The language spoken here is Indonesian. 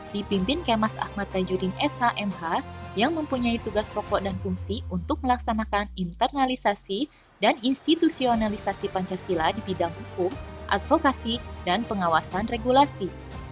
dipimpin kemas ahmad tajudin shmh yang mempunyai tugas pokok dan fungsi untuk melaksanakan internalisasi dan institusionalisasi pancasila di bidang hukum advokasi dan pengawasan regulasi